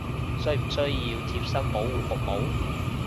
需唔需要貼身保護服務！？